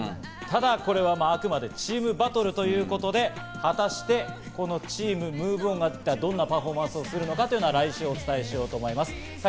あくまでチームバトルということで果たしてチームＭｏｖｅＯｎが一体どんなパフォーマンスをするのか来週お伝えしようと思います。